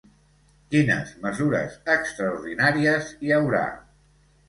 Quines mesures extraordinàries hi haurà?